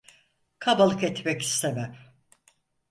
Kabalık etmek istemem.